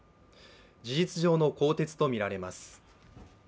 事実上の更迭とみられます。